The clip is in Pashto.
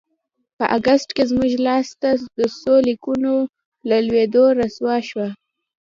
په اګست کې زموږ لاسته د څو لیکونو له لوېدلو رسوا شوه.